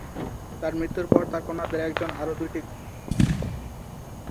তাঁর মৃত্যুর পর তাঁর কন্যাদের একজন আরও দুইটি গ্রন্থ প্রকাশ করেছিলেন।